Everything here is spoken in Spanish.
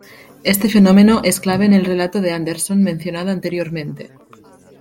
Este fenómeno es clave en el relato de Anderson mencionado anteriormente.